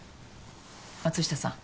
松下さん